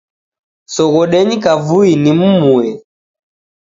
Soghodenyi kavui nimmumue.